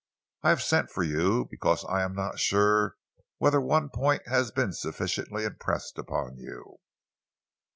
I have sent for you because I am not sure whether one point has been sufficiently impressed upon you.